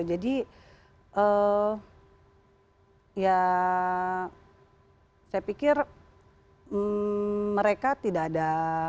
jadi ya saya pikir mereka tidak ada